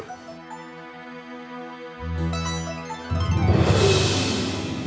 aku tadi lagi buat teh di dapur